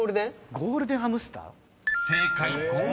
「ゴールデンハムスター」です］